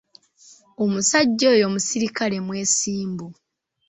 Omusajja oyo muserikale mwesimbu.